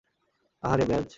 আহারে, ব্র্যায!